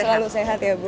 semoga selalu sehat ya bu